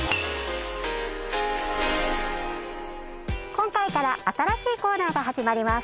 今回から新しいコーナーが始まります。